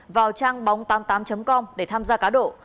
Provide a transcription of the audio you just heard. vào trang bóng tám mươi tám com để tham gia cá độ